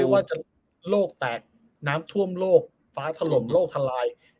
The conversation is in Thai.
ว่าจะโลกแตกน้ำท่วมโลกฟ้าถล่มโลกทลาย